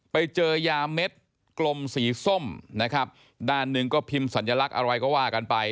ไปเจอยาเม็ดกลมสีส้มนะครับด้านหนึ่งก็พิมพ์สัญลักษณ์อะไรก็ว่ากันไป